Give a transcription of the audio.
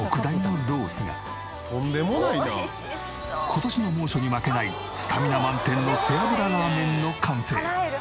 今年の猛暑に負けないスタミナ満点の背脂ラーメンの完成。